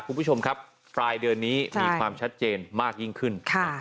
คุณผู้ชมครับปลายเดือนนี้มีความชัดเจนมากยิ่งขึ้น